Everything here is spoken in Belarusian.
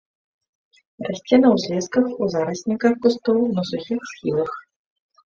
Расце на ўзлесках, у зарасніках кустоў, на сухіх схілах.